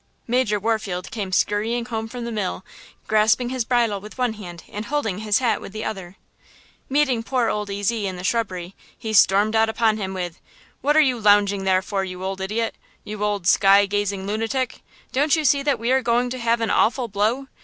Major Warfield came skurrying home from the mill, grasping his bridle with one hand and holding his hat with the other. Meeting poor old Ezy in the shrubbery, he stormed out upon him with: "What are you lounging there for, you old idiot! You old sky gazing lunatic! Don't you see that we are going to have an awful blow!